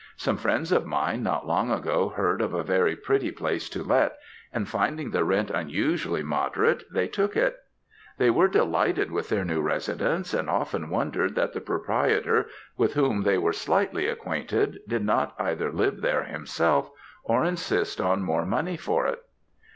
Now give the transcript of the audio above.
Some friends of mine not long ago heard of a very pretty place to let, and finding the rent unusually moderate they took it. They were delighted with their new residence; and often wondered that the proprietor, with whom they were slightly acquainted, did not either live there himself, or insist on more money for it.